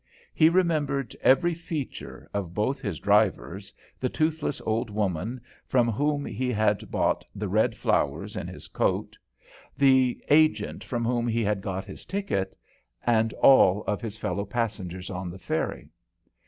He remembered every feature of both his drivers, the toothless old woman from whom he had bought the red flowers in his coat, the agent from whom he had got his ticket, and all of his fellow passengers on the ferry.